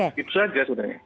itu saja sebenarnya